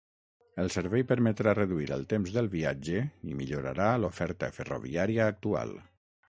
El servei permetrà reduir el temps del viatge i millorarà l’oferta ferroviària actual.